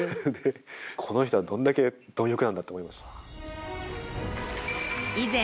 この人はどんだけ貪欲なんだと思いました。